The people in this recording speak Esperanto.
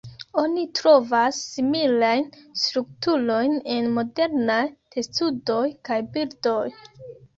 Oni trovas similajn strukturojn en modernaj testudoj kaj birdoj.